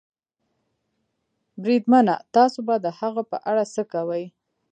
بریدمنه، تاسې به د هغه په اړه څه کوئ؟